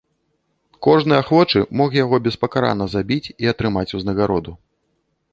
Кожны ахвочы мог яго беспакарана забіць і атрымаць узнагароду.